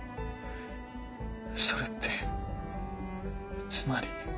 それってつまり。